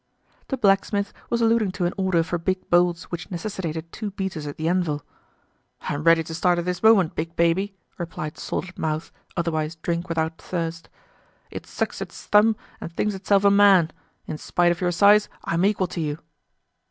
The blacksmith was alluding to an order for big bolts which necessitated two beaters at the anvil. "I'm ready to start at this moment, big baby!" replied Salted Mouth, otherwise Drink without Thirst. "It sucks it's thumb and thinks itself a man. In spite of your size I'm equal to you!"